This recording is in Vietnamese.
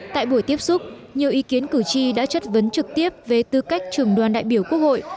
tại buổi tiếp xúc nhiều ý kiến cử tri đã chất vấn trực tiếp về tư cách trường đoàn đại biểu quốc hội